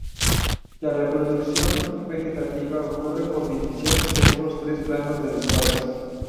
La reproducción vegetativa ocurre por división según los tres planos del espacio.